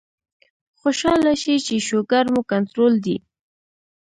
خوشاله شئ چې شوګر مو کنټرول دے